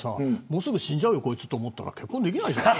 もうすぐ死んじゃうよこいつと思ったら結婚できないよ。